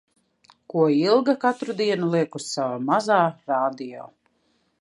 Ko Ilga katru dienu liek uz sava mazā radio.